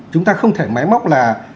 chúng ta không thể máy móc là